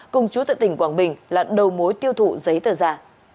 cùng chú tại tỉnh quảng bình là đầu mối tiêu thụ giấy tờ giả